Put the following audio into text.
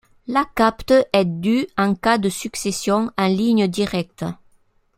L'acapte est due en cas de succession en ligne directe.